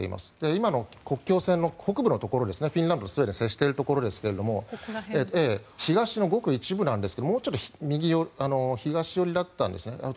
今の国境線の北部のところフィンランド、スウェーデンが接しているところですが東のごく一部なんですがもうちょっと右寄りだったんです。